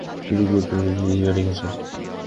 তিনি গুরুত্বপূর্ণ ভূমিকা রেখেছেন।